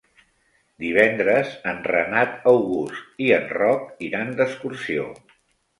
Divendres en Renat August i en Roc iran d'excursió.